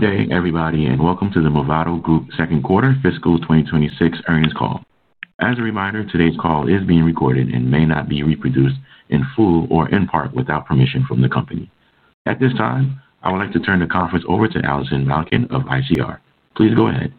Good day, everybody, and welcome to the Movado Group Second Quarter Fiscal 2026 Earnings Call. As a reminder, today's call is being recorded and may not be reproduced in full or in part without permission from the company. At this time, I would like to turn the conference over to Allison Malkin of ICR. Please go ahead.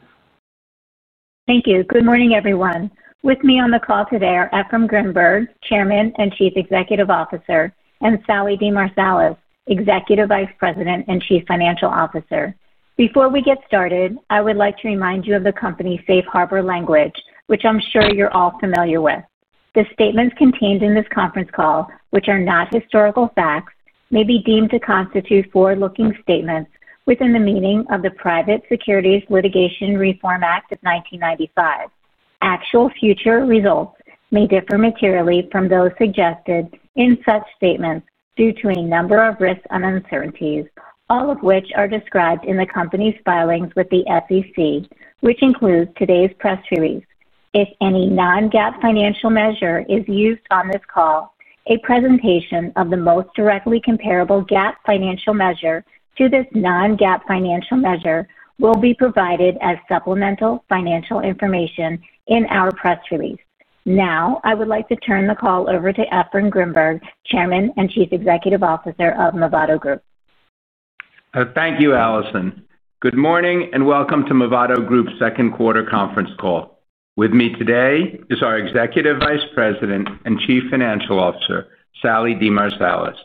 Thank you. Good morning, everyone. With me on the call today are Efraim Grinberg, Chairman and Chief Executive Officer, and Sallie DeMarsilis, Executive Vice President and Chief Financial Officer. Before we get started, I would like to remind you of the company's safe harbor language, which I'm sure you're all familiar with. The statements contained in this conference call, which are not historical facts, may be deemed to constitute forward-looking statements within the meaning of the Private Securities Litigation Reform Act of 1995. Actual future results may differ materially from those suggested in such statements due to a number of risks and uncertainties, all of which are described in the company's filings with the SEC, which include today's press release. If any non-GAAP financial measure is used on this call, a presentation of the most directly comparable GAAP financial measure to this non-GAAP financial measure will be provided as supplemental financial information in our press release. Now, I would like to turn the call over to Efraim Grinberg, Chairman and Chief Executive Officer of Movado Group. Thank you, Allison. Good morning and welcome to Movado Group's Second Quarter Conference Call. With me today is our Executive Vice President and Chief Financial Officer, Sallie DeMarsilis.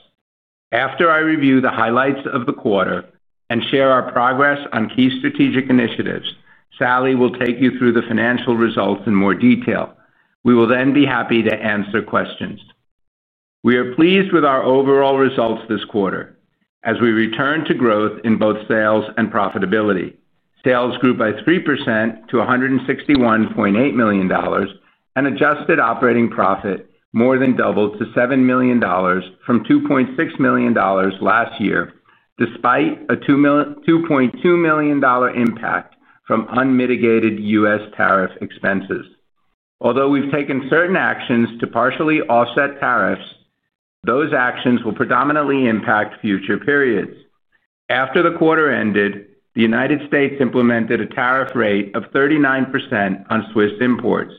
After I review the highlights of the quarter and share our progress on key strategic initiatives, Sallie will take you through the financial results in more detail. We will then be happy to answer questions. We are pleased with our overall results this quarter as we return to growth in both sales and profitability. Sales grew by 3% to $161.8 million and adjusted operating profit more than doubled to $7 million from $2.6 million last year, despite a $2.2 million impact from unmitigated U.S. tariff expenses. Although we've taken certain actions to partially offset tariffs, those actions will predominantly impact future periods. After the quarter ended, the United States implemented a tariff rate of 39% on Swiss imports.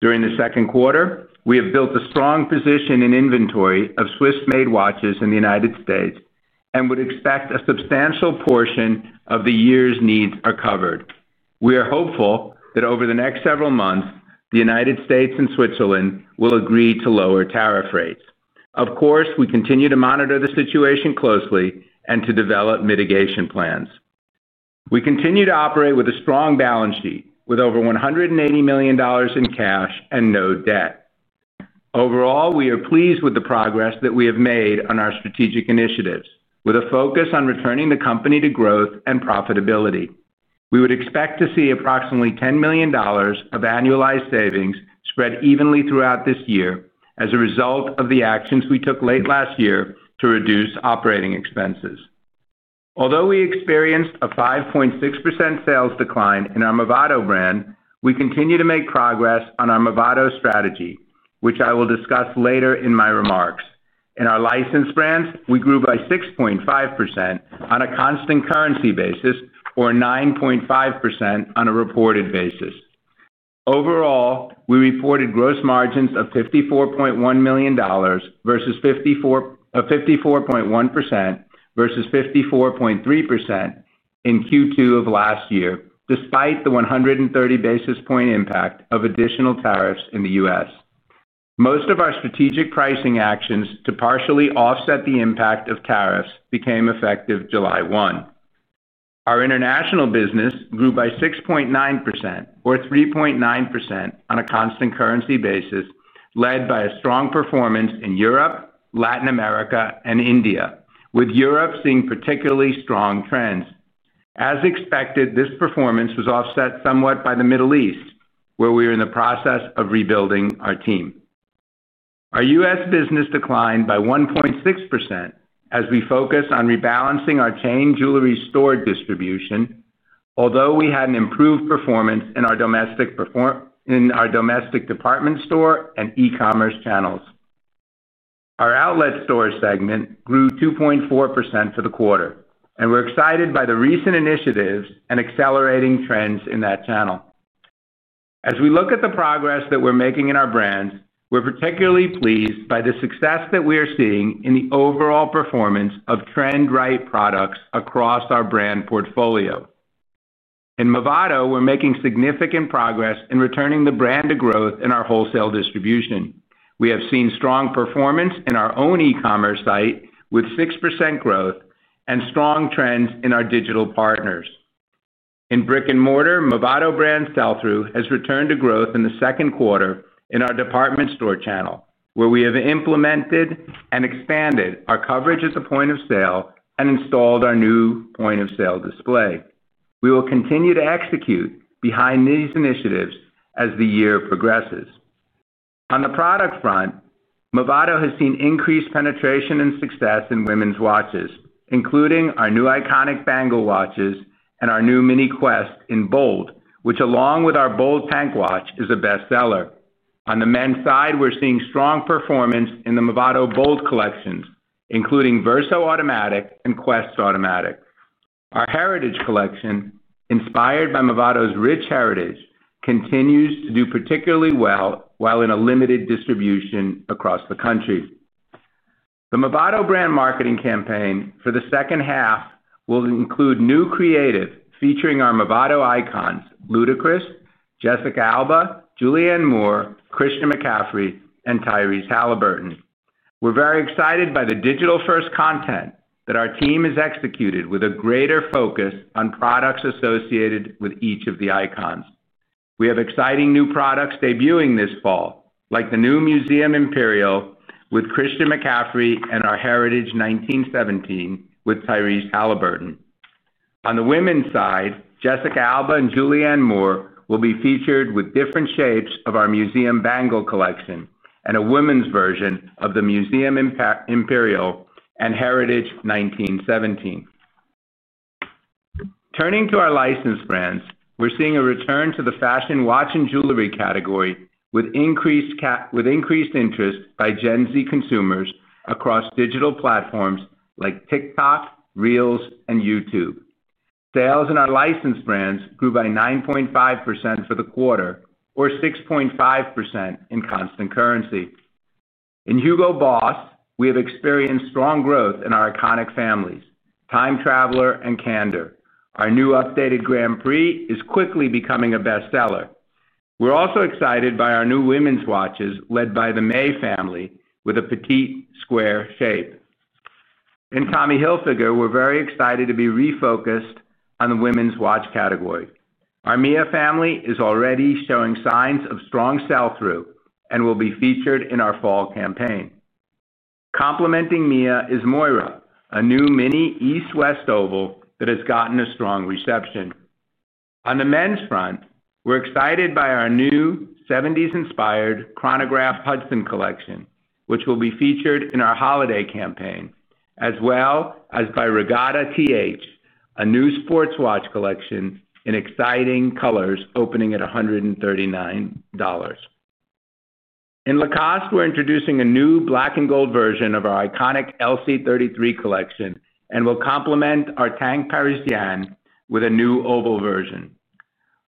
During the second quarter, we have built a strong position in inventory of Swiss-made watches in the United States and would expect a substantial portion of the year's needs are covered. We are hopeful that over the next several months, the United States and Switzerland will agree to lower tariff rates. Of course, we continue to monitor the situation closely and to develop mitigation plans. We continue to operate with a strong balance sheet with over $180 million in cash and no debt. Overall, we are pleased with the progress that we have made on our strategic initiatives with a focus on returning the company to growth and profitability. We would expect to see approximately $10 million of annualized savings spread evenly throughout this year as a result of the actions we took late last year to reduce operating expenses. Although we experienced a 5.6% sales decline in our Movado brand, we continue to make progress on our Movado strategy, which I will discuss later in my remarks. In our licensed brands, we grew by 6.5% on a constant currency basis or 9.5% on a reported basis. Overall, we reported gross margins of $54.1 million versus 54.1% versus 54.3% in Q2 of last year, despite the 130 basis point impact of additional tariffs in the U.S. Most of our strategic pricing actions to partially offset the impact of tariffs became effective July 1. Our international business grew by 6.9% or 3.9% on a constant currency basis, led by a strong performance in Europe, Latin America, and India, with Europe seeing particularly strong trends. As expected, this performance was offset somewhat by the Middle East, where we are in the process of rebuilding our team. Our U.S. business declined by 1.6% as we focus on rebalancing our chain jewelry store distribution, although we had an improved performance in our domestic department store and e-commerce channels. Our outlet store segment grew 2.4% for the quarter, and we're excited by the recent initiatives and accelerating trends in that channel. As we look at the progress that we're making in our brands, we're particularly pleased by the success that we are seeing in the overall performance of Trend Rite products across our brand portfolio. In Movado, we're making significant progress in returning the brand to growth in our wholesale distribution. We have seen strong performance in our own e-commerce site with 6% growth and strong trends in our digital partners. In brick and mortar, Movado brand sell-through has returned to growth in the second quarter in our department store channel, where we have implemented and expanded our coverage at the point of sale and installed our new point-of-sale display. We will continue to execute behind these initiatives as the year progresses. On the product front, Movado has seen increased penetration and success in women's watches, including our new iconic Bangle watches and our new mini Quest in Bold, which, along with our Bold Tank watch, is a bestseller. On the men's side, we're seeing strong performance in the Movado Bold collections, including Verso Automatic and Quest Automatic. Our Heritage collection, inspired by Movado's rich heritage, continues to do particularly well while in a limited distribution across the country. The Movado brand marketing campaign for the second half will include new creative featuring our Movado icons Ludacris, Jessica Alba, Julianne Moore, Krishna McCaffery, and Tyrese Halliburton. We're very excited by the digital-first content that our team has executed with a greater focus on products associated with each of the icons. We have exciting new products debuting this fall, like the new Museum Imperial with Krishna McCaffery and our Heritage 1917 with Tyrese Halliburton. On the women's side, Jessica Alba and Julianne Moore will be featured with different shapes of our Museum Bangle collection and a women's version of the Museum Imperial and Heritage 1917. Turning to our licensed brands, we're seeing a return to the fashion watch and jewelry category with increased interest by Gen Z consumers across digital platforms like TikTok, Reels, and YouTube. Sales in our licensed brands grew by 9.5% for the quarter or 6.5% in constant currency. In Hugo Boss, we have experienced strong growth in our iconic families, Time Traveler and Candor. Our new updated Grand Prix is quickly becoming a bestseller. We're also excited by our new women's watches led by the May family with a petite square shape. In Tommy Hilfiger, we're very excited to be refocused on the women's watch category. Our Mia family is already showing signs of strong sell-through and will be featured in our fall campaign. Complementing Mia is Moira, a new mini East-West Oval that has gotten a strong reception. On the men's front, we're excited by our new '70s-inspired Chronograph Hudson collection, which will be featured in our holiday campaign, as well as by Regatta TH, a new sports watch collection in exciting colors opening at $139. In Lacoste, we're introducing a new black and gold version of our iconic LC33 collection and will complement our Tank Parisienne with a new oval version.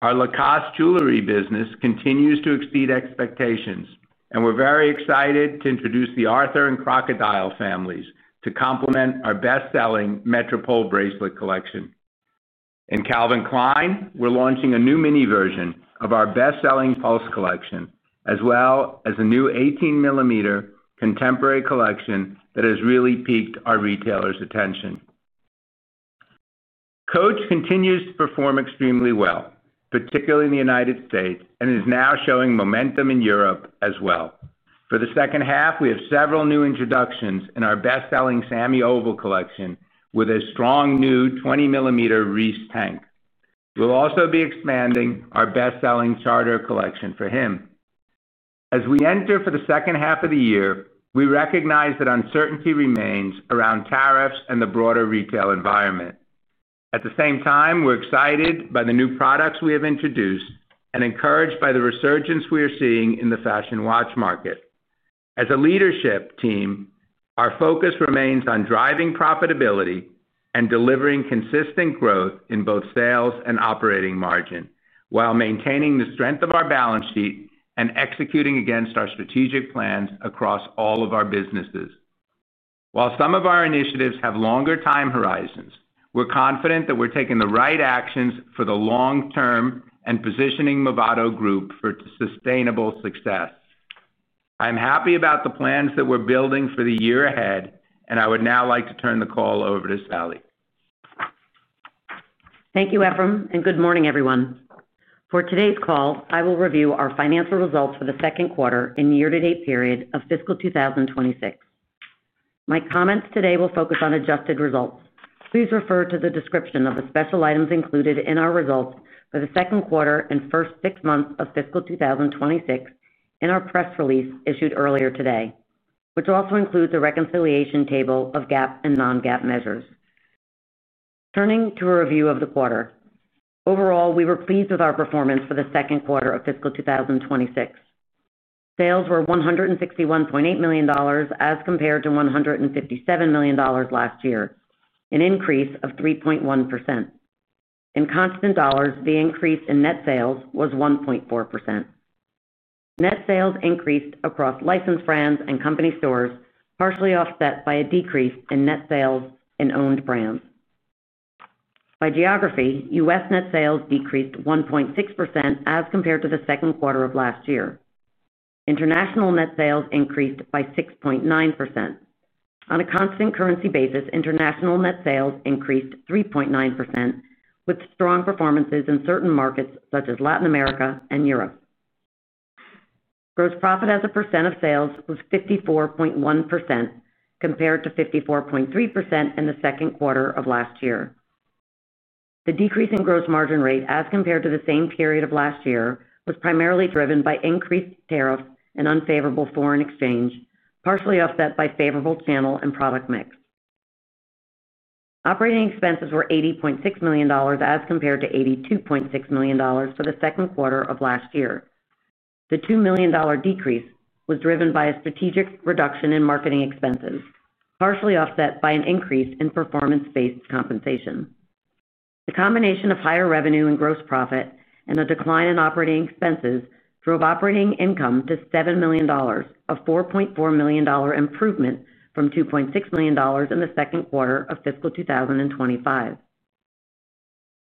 Our Lacoste jewelry business continues to exceed expectations, and we're very excited to introduce the Arthur and Crocodile families to complement our best-selling Metropole bracelet collection. In Calvin Klein, we're launching a new mini version of our best-selling Pulse collection, as well as a new 18 mm contemporary collection that has really piqued our retailers' attention. Coach continues to perform extremely well, particularly in the United States, and is now showing momentum in Europe as well. For the second half, we have several new introductions in our best-selling Sammy Oval collection with a strong new 20 mm Reese Tank. We'll also be expanding our best-selling Charter collection for him. As we enter for the second half of the year, we recognize that uncertainty remains around tariffs and the broader retail environment. At the same time, we're excited by the new products we have introduced and encouraged by the resurgence we are seeing in the fashion watch market. As a leadership team, our focus remains on driving profitability and delivering consistent growth in both sales and operating margin while maintaining the strength of our balance sheet and executing against our strategic plans across all of our businesses. While some of our initiatives have longer time horizons, we're confident that we're taking the right actions for the long term and positioning Movado Group for sustainable success. I'm happy about the plans that we're building for the year ahead, and I would now like to turn the call over to Sallie. Thank you, Efraim, and good morning, everyone. For today's call, I will review our financial results for the second quarter in the year-to-date period of fiscal 2026. My comments today will focus on adjusted results. Please refer to the description of the special items included in our results for the second quarter and first six months of fiscal 2026 in our press release issued earlier today, which also includes the reconciliation table of GAAP and non-GAAP measures. Turning to a review of the quarter, overall, we were pleased with our performance for the second quarter of fiscal 2026. Sales were $161.8 million as compared to $157 million last year, an increase of 3.1%. In constant dollars, the increase in net sales was 1.4%. Net sales increased across licensed brands and company stores, partially offset by a decrease in net sales in owned brands. By geography, U.S. net sales decreased 1.6% as compared to the second quarter of last year. International net sales increased by 6.9%. On a constant currency basis, international net sales increased 3.9% with strong performances in certain markets such as Latin America and Europe. Gross profit as a percent of sales was 54.1% compared to 54.3% in the second quarter of last year. The decrease in gross margin rate as compared to the same period of last year was primarily driven by increased tariffs and unfavorable foreign exchange, partially offset by favorable channel and product mix. Operating expenses were $80.6 million as compared to $82.6 million for the second quarter of last year. The $2 million decrease was driven by a strategic reduction in marketing expenses, partially offset by an increase in performance-based compensation. The combination of higher revenue and gross profit and a decline in operating expenses drove operating income to $7 million, a $4.4 million improvement from $2.6 million in the second quarter of fiscal 2025.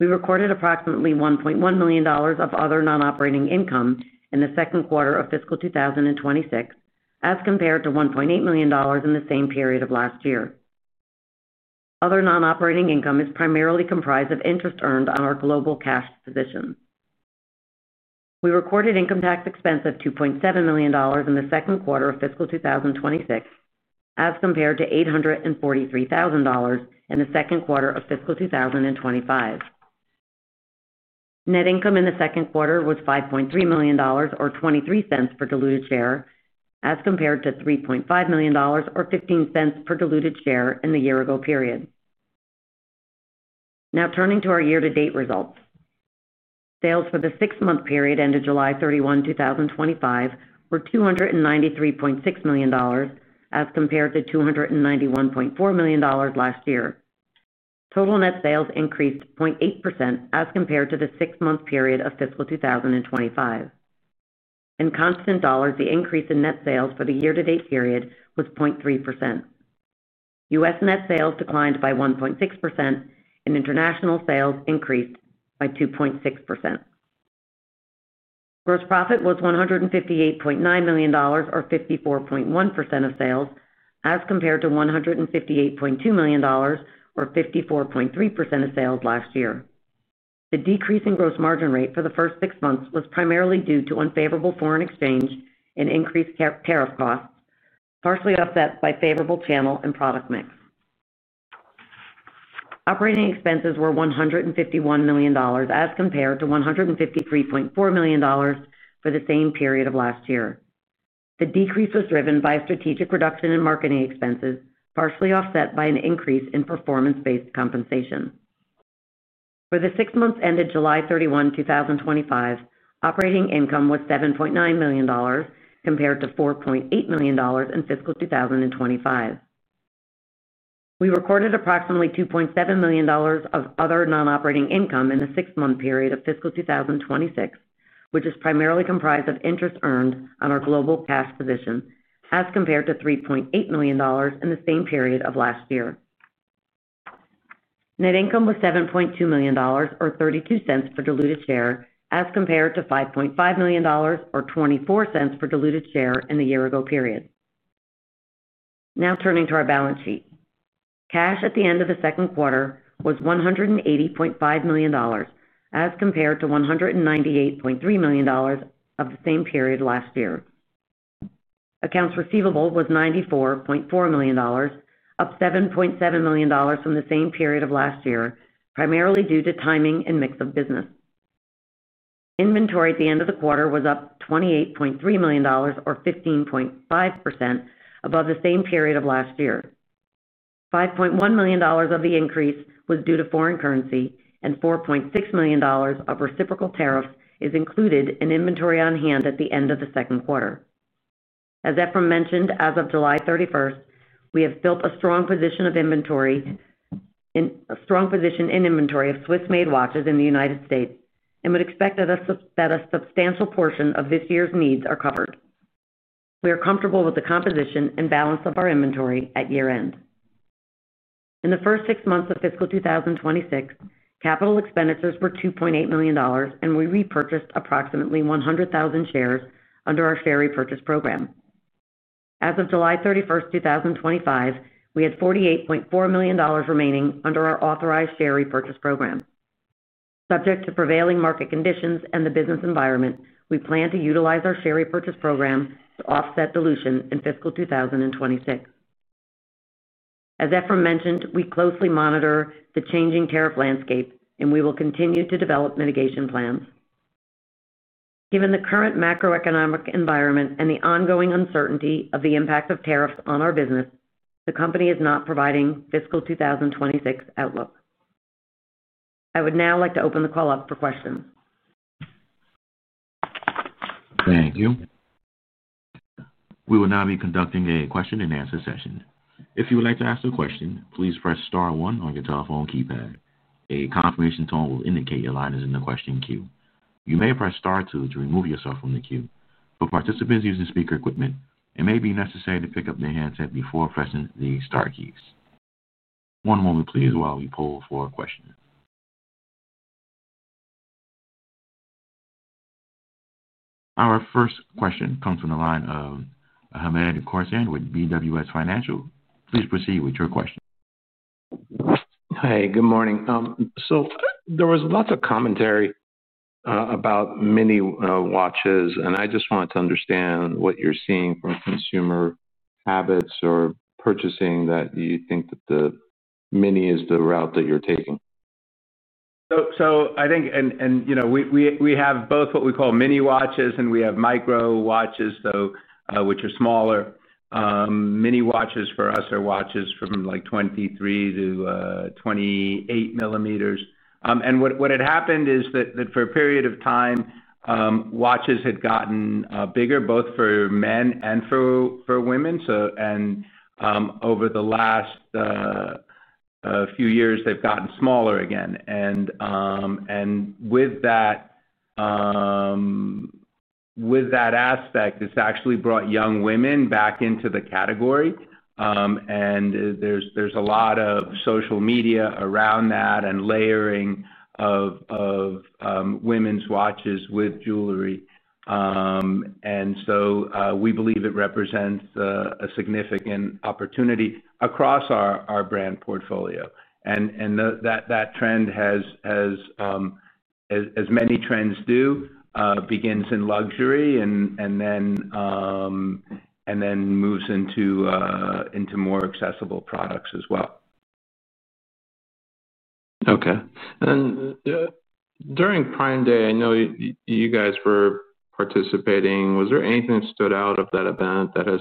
We recorded approximately $1.1 million of other non-operating income in the second quarter of fiscal 2026 as compared to $1.8 million in the same period of last year. Other non-operating income is primarily comprised of interest earned on our global cash position. We recorded income tax expense of $2.7 million in the second quarter of fiscal 2026 as compared to $843,000 in the second quarter of fiscal 2025. Net income in the second quarter was $5.3 million or $0.23 per diluted share as compared to $3.5 million or $0.15 per diluted share in the year-ago period. Now turning to our year-to-date results, sales for the six-month period ended July 31, 2025, were $293.6 million as compared to $291.4 million last year. Total net sales increased 0.8% as compared to the six-month period of fiscal 2025. In constant dollars, the increase in net sales for the year-to-date period was 0.3%. U.S. net sales declined by 1.6% and international sales increased by 2.6%. Gross profit was $158.9 million or 54.1% of sales as compared to $158.2 million or 54.3% of sales last year. The decrease in gross margin rate for the first six months was primarily due to unfavorable foreign exchange and increased tariff costs, partially offset by favorable channel and product mix. Operating expenses were $151 million as compared to $153.4 million for the same period of last year. The decrease was driven by a strategic reduction in marketing expenses, partially offset by an increase in performance-based compensation. For the six months ended July 31, 2025, operating income was $7.9 million compared to $4.8 million in fiscal 2025. We recorded approximately $2.7 million of other non-operating income in the six-month period of fiscal 2026, which is primarily comprised of interest earned on our global cash position as compared to $3.8 million in the same period of last year. Net income was $7.2 million or $0.32 per diluted share as compared to $5.5 million or $0.24 per diluted share in the year-ago period. Now turning to our balance sheet, cash at the end of the second quarter was $180.5 million as compared to $198.3 million of the same period last year. Accounts receivable was $94.4 million, up $7.7 million from the same period of last year, primarily due to timing and mix of business. Inventory at the end of the quarter was up $28.3 million or 15.5% above the same period of last year. $5.1 million of the increase was due to foreign currency, and $4.6 million of reciprocal tariffs is included in inventory on hand at the end of the second quarter. As Efraim mentioned, as of July 31st, we have built a strong position in inventory of Swiss-made watches in the United States and would expect that a substantial portion of this year's needs are covered. We are comfortable with the composition and balance of our inventory at year-end. In the first six months of fiscal 2026, capital expenditures were $2.8 million, and we repurchased approximately 100,000 shares under our share repurchase program. As of July 31st, 2025, we had $48.4 million remaining under our authorized share repurchase program. Subject to prevailing market conditions and the business environment, we plan to utilize our share repurchase program to offset dilution in fiscal 2026. As Efraim mentioned, we closely monitor the changing tariff landscape, and we will continue to develop mitigation plans. Given the current macroeconomic environment and the ongoing uncertainty of the impact of tariffs on our business, the company is not providing fiscal 2026 outlook. I would now like to open the call up for questions. Thank you. We will now be conducting a question and answer session. If you would like to ask a question, please press star one on your telephone keypad. A confirmation tone will indicate your line is in the question queue. You may press star two to remove yourself from the queue. For participants using speaker equipment, it may be necessary to pick up the headset before pressing the star keys. One moment, please, while we pull for a question. Our first question comes from the line of Hamed Khorsand with BWS Financial. Please proceed with your question. Good morning. There was lots of commentary about mini watches, and I just wanted to understand what you're seeing from consumer habits or purchasing that you think that the mini is the route that you're taking. I think, you know, we have both what we call mini watches and we have micro watches, which are smaller. Mini watches for us are watches from 23 mm-28 mm. What had happened is that for a period of time, watches had gotten bigger both for men and for women. Over the last few years, they've gotten smaller again. With that aspect, it's actually brought young women back into the category. There's a lot of social media around that and layering of women's watches with jewelry. We believe it represents a significant opportunity across our brand portfolio. That trend has, as many trends do, begun in luxury and then moves into more accessible products as well. Okay. During Prime Day, I know you guys were participating. Was there anything that stood out of that event that has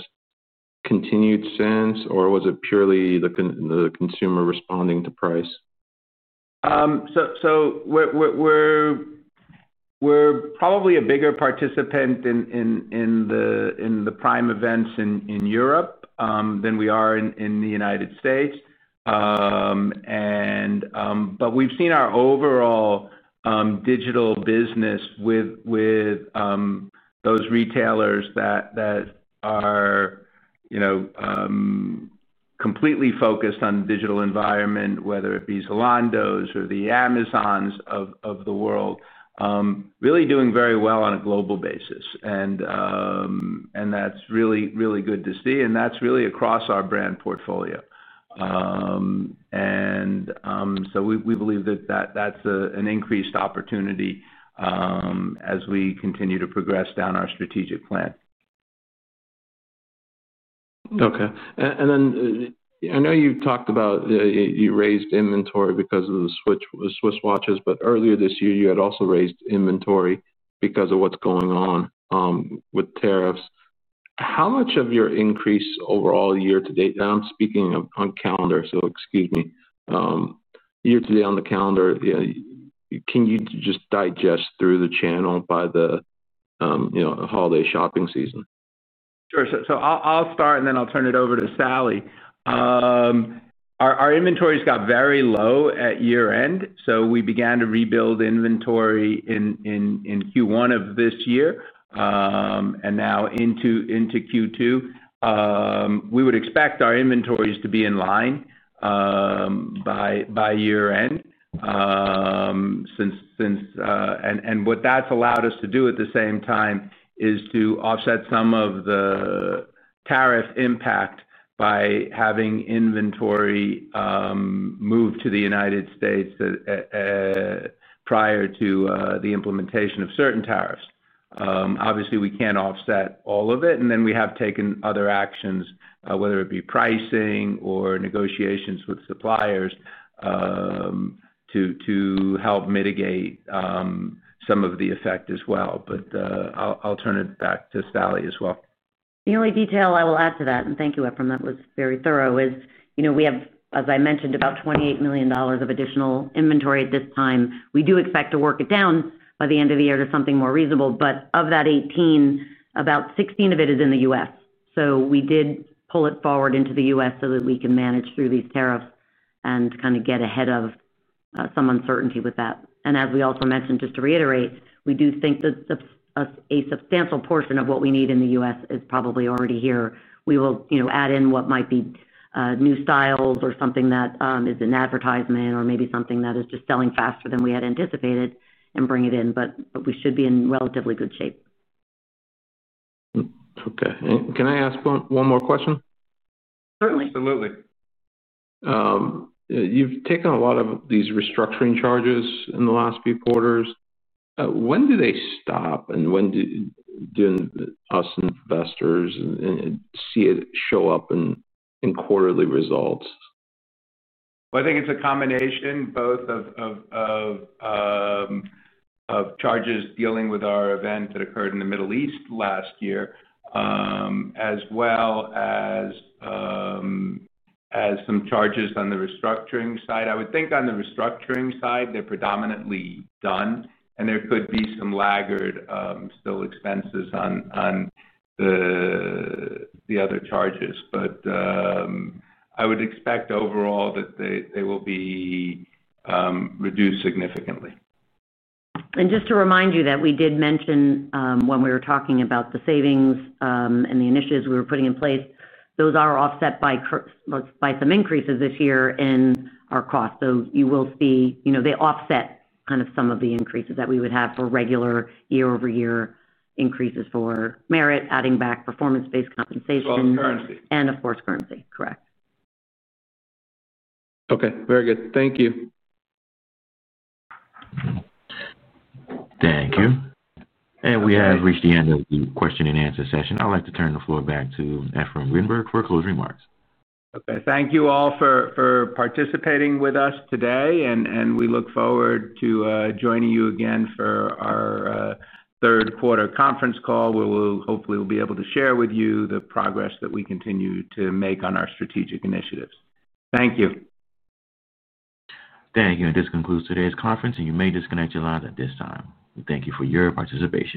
continued since, or was it purely the consumer responding to price? We're probably a bigger participant in the Prime events in Europe than we are in the United States. We've seen our overall digital business with those retailers that are completely focused on the digital environment, whether it be Zalando or the Amazons of the world, really doing very well on a global basis. That's really, really good to see. That's really across our brand portfolio, so we believe that that's an increased opportunity as we continue to progress down our strategic plan. Okay. I know you talked about you raised inventory because of the Swiss watches, but earlier this year, you had also raised inventory because of what's going on with tariffs. How much of your increase overall year to date, and I'm speaking on calendar, so excuse me, year to date on the calendar, can you just digest through the channel by the holiday shopping season? Sure. I'll start and then I'll turn it over to Sallie. Our inventories got very low at year-end, so we began to rebuild inventory in Q1 of this year and now into Q2. We would expect our inventories to be in line by year-end. What that's allowed us to do at the same time is to offset some of the tariff impact by having inventory moved to the United States prior to the implementation of certain tariffs. Obviously, we can't offset all of it, and we have taken other actions, whether it be pricing or negotiations with suppliers to help mitigate some of the effect as well. I'll turn it back to Sallie as well. The only detail I will add to that, and thank you, Efraim, that was very thorough, is, you know, we have, as I mentioned, about $28 million of additional inventory at this time. We do expect to work it down by the end of the year to something more reasonable. Of that $18 million, about $16 million is in the U.S. We did pull it forward into the U.S. so that we can manage through these tariffs and kind of get ahead of some uncertainty with that. As we also mentioned, just to reiterate, we do think that a substantial portion of what we need in the U.S. is probably already here. We will add in what might be new styles or something that is in advertisement or maybe something that is just selling faster than we had anticipated and bring it in. We should be in relatively good shape. Okay. Can I ask one more question? Certainly. Absolutely. You've taken a lot of these restructuring charges in the last few quarters. When do they stop, and when do us investors see it show up in quarterly results? I think it's a combination both of charges dealing with our event that occurred in the Middle East last year, as well as some charges on the restructuring side. I would think on the restructuring side, they're predominantly done, and there could be some laggard still expenses on the other charges. I would expect overall that they will be reduced significantly. Just to remind you that we did mention when we were talking about the savings and the initiatives we were putting in place, those are offset by some increases this year in our costs. You will see they offset kind of some of the increases that we would have for regular year-over-year increases for merit, adding back performance-based compensation. All in currency. Of course, currency. Correct. Okay. Very good. Thank you. Thank you. We have reached the end of the question-and-answer session. I'd like to turn the floor back to Efraim Grinberg for closing remarks. Okay. Thank you all for participating with us today, and we look forward to joining you again for our Third Quarter Conference Call, where we'll hopefully be able to share with you the progress that we continue to make on our strategic initiatives. Thank you. Thank you. This concludes today's conference, and you may disconnect your lines at this time. We thank you for your participation.